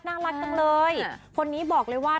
น่ารักจังเลยคนนี้บอกเลยว่า